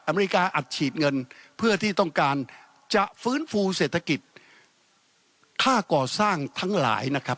อเมริกาอัดฉีดเงินเพื่อที่ต้องการจะฟื้นฟูเศรษฐกิจค่าก่อสร้างทั้งหลายนะครับ